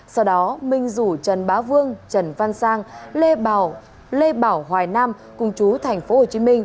sau đó minh rủ trần bá vương trần văn sang lê bảo lê bảo hoài nam cùng chú thành phố hồ chí minh